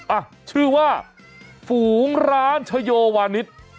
อ่ะชื่อว่าฝูงร้านชโยวานิส